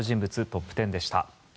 トップ１０でした。